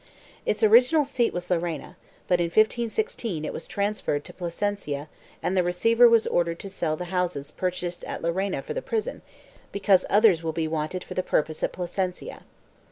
Its original seat was Llerena but, in 1516, it was transferred to Plasencia and the receiver was ordered to sell the houses purchased at Llerena for the prison because others will be wanted for the purpose at Plasencia.